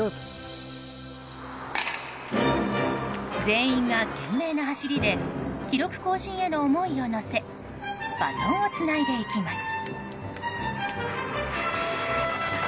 全員が懸命な走りで記録更新への思いを乗せバトンをつないでいきます。